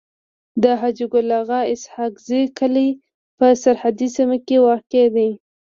د حاجي ګل اغا اسحق زی کلی په سرحدي سيمه کي واقع دی.